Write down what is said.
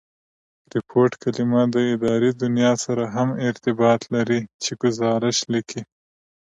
ریپوټ کلیمه د اداري دونیا سره هم ارتباط لري، چي ګوزارښ لیکي.